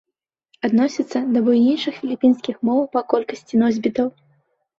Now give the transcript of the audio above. Адносіцца да буйнейшых філіпінскіх моў па колькасці носьбітаў.